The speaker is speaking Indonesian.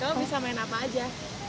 kamu bisa main apa aja